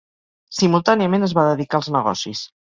Simultàniament es va dedicar als negocis.